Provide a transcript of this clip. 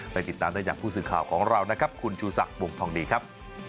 ติดตามได้จากผู้สื่อข่าวของเรานะครับคุณชูศักดิ์วงทองดีครับ